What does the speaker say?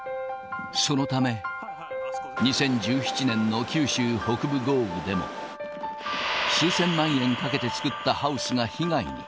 そのため、２０１７年の九州北部豪雨でも、数千万円かけて作ったハウスが被害に。